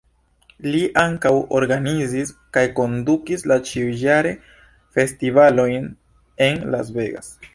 Li ankaŭ organizis kaj kondukis la ĉiujare festivalojn en Las Vegas.